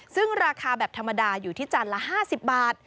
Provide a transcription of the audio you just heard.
ซึ่งราคาแบบธรรมดาอยู่ที่จานละ๕๐บาท